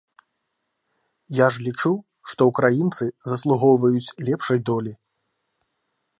Я ж лічу, што ўкраінцы заслугоўваюць лепшай долі.